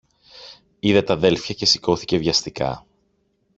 Είδε τ' αδέλφια και σηκώθηκε βιαστικά